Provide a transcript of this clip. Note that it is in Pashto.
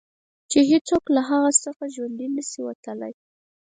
چې هېڅوک د هغه څخه ژوندي نه شي وتلای.